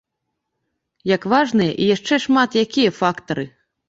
Як важныя і яшчэ шмат якія фактары.